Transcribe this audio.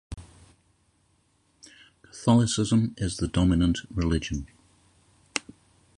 Catholicism is the dominant religion.